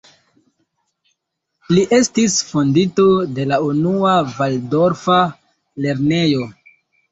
Li estis fondinto de la unua valdorfa lernejo.